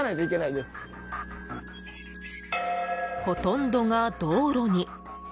ほとんどが道路に。